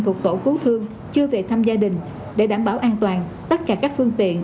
thuộc tổ cứu thương chưa về thăm gia đình để đảm bảo an toàn tất cả các phương tiện